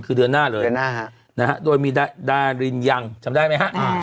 คือเดือนหน้าเลยนะฮะโดยมีดารินยังจำได้ไหมฮะ